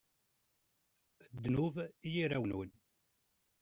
Ddnub i yirawen-nwen!